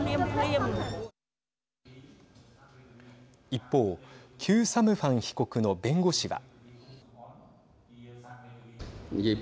一方、キュー・サムファン被告の弁護士は。